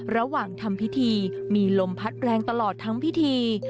ระหว่างทำพิธีมีลมพัดแรงตลอดทั้งพิธี